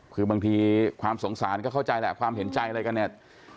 คือบางทีความสงสารก็เข้าใจแหละความเห็นใจอะไรกันเนี่ย